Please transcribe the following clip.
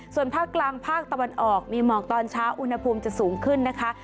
ส่วนภาคกลางภาคตะวันออกมีหมอกตอนเช้าอุณหภูมิจะสูงขึ้นนะคะ